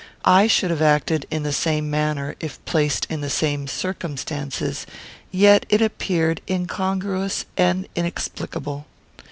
I should have acted in the same manner if placed in the same circumstances; yet it appeared incongruous and inexplicable.